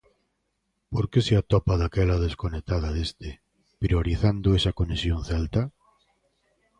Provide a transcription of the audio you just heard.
Por que se atopa daquela desconectada deste, priorizando esa conexión celta?